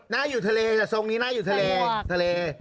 น่าอยู่ทะเลส่องนี้น่าอยู่ทะเล